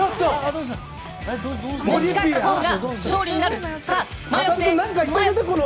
持ち帰ったほうが勝利になる！